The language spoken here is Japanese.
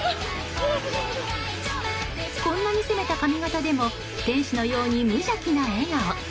こんなに攻めた髪形でも天使のように無邪気な笑顔。